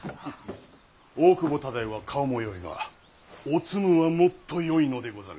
大久保忠世は顔もよいがおつむはもっとよいのでござる。